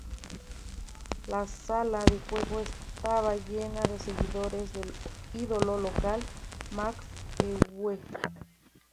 La sala de juego estaba llena de seguidores del ídolo local, Max Euwe.